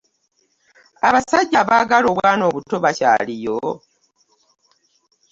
Abasajja abaagala obwana obuto bakyaliyo?